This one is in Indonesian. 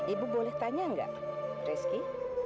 ibu boleh tanya enggak reski